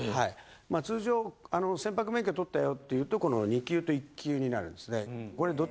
通常船舶免許取ったよっていうとこの二級と一級になるんですね。